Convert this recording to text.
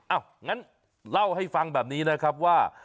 งั้นเล่าให้ฟังแบบนี้นะครับว่า